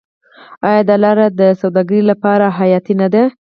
آیا دا لاره د سوداګرۍ لپاره حیاتي نه ده؟